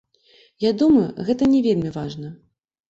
Я думаю, гэта не вельмі важна.